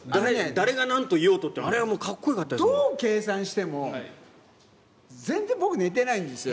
誰がなんと言おうとって、どう計算しても、全然僕、寝てないんですよ。